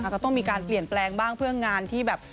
ก็ต้องมีการเปลี่ยนแปลงบ้างเพื่องานที่แบบ